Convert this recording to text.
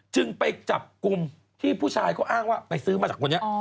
จึงไปจับกลุ่มที่ผู้ชายเขาอ้างว่าไปซื้อมาจากคนนี้